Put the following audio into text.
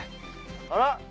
あら？